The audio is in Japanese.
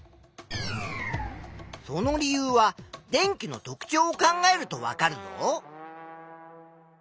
その理由は電気の特ちょうを考えるとわかるぞ。